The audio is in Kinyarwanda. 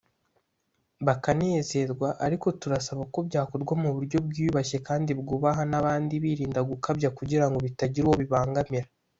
bakanezerwa ariko turabasaba ko byakorwa mu buryo bwiyubashye kandi bwubaha n’abandi birinda gukabya kugirango bitagira uwo bibangamira